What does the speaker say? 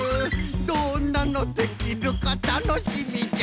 「どんなのできるかたのしみじゃ」